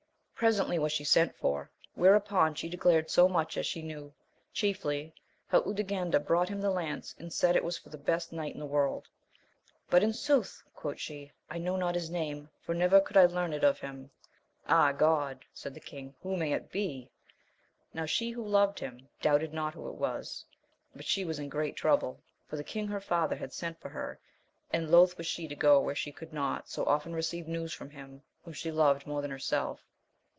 Presently was she sent for, whereupon she declared so much as she knew, chiefly, how Urganda brought him the lance, and said it was for the best knight in the world ; but in sooth, quoth she, I know not bis name, for never comI^lW^^xii \\» oi \>m!cu ^^Ja. AMADIS OF GAUL. 45 God 1 said the king, who may it be ? Now she who loved him, doubted not who it was; but she was in great trouble, for the king her father had sent for her, and loath was she to go where she could not so often receive news from him whom she loved more than herself.